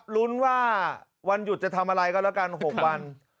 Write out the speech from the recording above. ลุ้นว่าวันหยุดจะทำอะไรก็แล้วกัน๖วัน